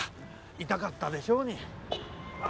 痛かったでしょうに。